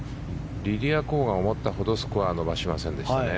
リディア・コが思ったほどスコアを伸ばしませんでしたね。